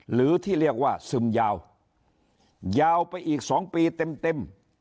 หรือที่เรียกว่าซึมยาวยาวไปอีก๒ปีเต็ม